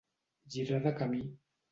Girar de camí.